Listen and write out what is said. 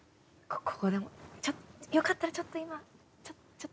ここでちょっとよかったらちょっと今ちょっと。